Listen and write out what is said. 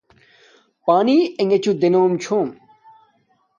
پانی نݣو دیم چھوم